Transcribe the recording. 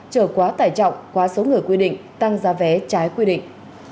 trở quá tải trọng quá số người quy định tăng giá vé trái quy định